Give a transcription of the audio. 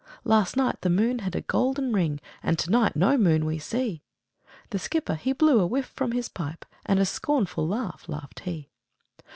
'Last night, the moon had a golden ring, And to night no moon we see!' The skipper, he blew a whiff from his pipe, And a scornful laugh laughed he.